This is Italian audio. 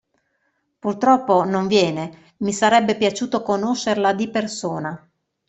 Purtroppo, non viene, mi sarebbe piaciuto conoscerla di persona.